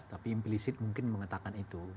tapi implisit mungkin mengatakan itu